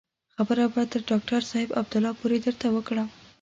خبره به تر ډاکتر صاحب عبدالله پورې درته وکړم.